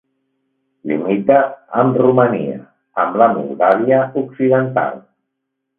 Limita amb Romania, amb la Moldàvia Occidental.